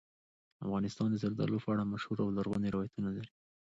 افغانستان د زردالو په اړه مشهور او لرغوني روایتونه لري.